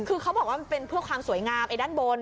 คือเขาบอกว่ามันเป็นเพื่อความสวยงามไอ้ด้านบน